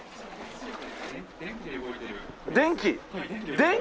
電気？